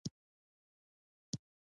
ریښتیا ویل که تریخ هم وي پښتون یې وايي.